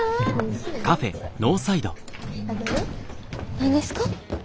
何ですか？